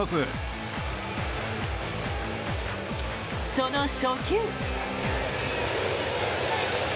その初球。